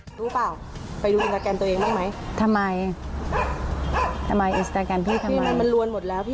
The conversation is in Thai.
หนูว่าเพื่ออะไร